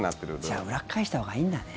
じゃあ裏返したほうがいいんだね。